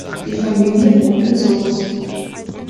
Die Familie wohnt in Sooß.